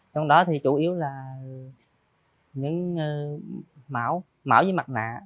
trong đó thì chủ yếu là những mảo mảo với mặt nạ